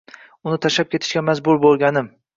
Uni tashlab ketishga majbur bo’lganim